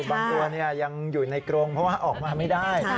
บางตัวยังอยู่ในกรงเพราะว่าออกมาไม่ได้